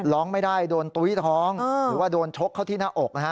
ร้องไม่ได้โดนตุ้ยท้องหรือว่าโดนชกเข้าที่หน้าอกนะฮะ